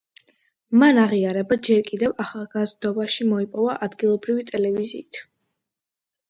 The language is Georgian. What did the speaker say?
მან აღიარება ჯერ კიდევ ახალგაზრდობაში მოიპოვა ადგილობრივი ტელევიზიით.